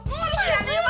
apa lu tertawa